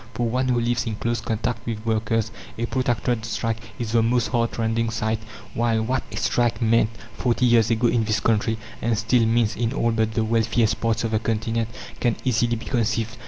For one who lives in close contact with workers, a protracted strike is the most heartrending sight; while what a strike meant forty years ago in this country, and still means in all but the wealthiest parts of the continent, can easily be conceived.